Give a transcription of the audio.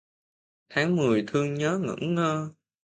Tháng mười thương nhớ ngẩn ngơ